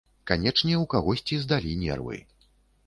Канечне, у кагосьці здалі нервы.